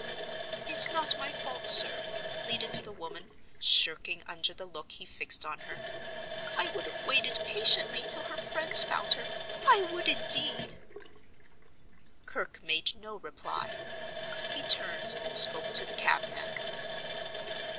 "It's not my fault, sir," pleaded the woman, shirking under the look he fixed on her. "I would have waited patiently till her friends found her—I would, indeed!" Kirke made no reply. He turned, and spoke to the cabman.